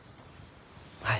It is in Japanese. はい。